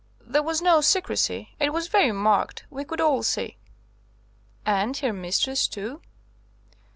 There was no secrecy. It was very marked. We could all see." "And her mistress too?"